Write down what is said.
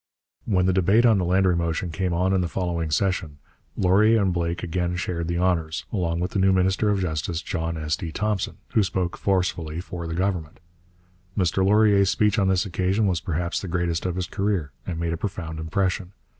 When the debate on the Landry motion came on in the following session, Laurier and Blake again shared the honours, along with the new minister of Justice, John S. D. Thompson, who spoke forcefully for the Government. Mr Laurier's speech on this occasion was perhaps the greatest of his career, and made a profound impression.